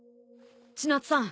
千夏さん